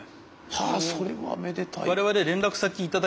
あそれはめでたい。